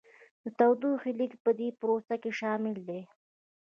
د تودوخې لیږد په دې پروسه کې شامل دی.